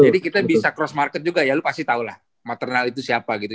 jadi kita bisa cross market juga ya lo pasti tau lah maternal itu siapa gitu